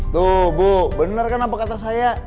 tuh bu bener kan apa kata saya